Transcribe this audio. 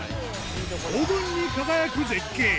黄金に輝く絶景。